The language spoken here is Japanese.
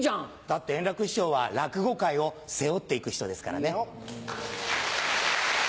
だって円楽師匠は落語界を背負って行く人ですからね。